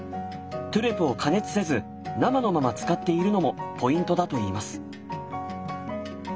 トゥレを加熱せず生のまま使っているのもポイントだといいます。